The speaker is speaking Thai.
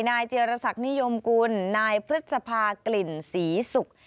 เจียรษักนิยมกุลนายพฤษภากลิ่นศรีศุกร์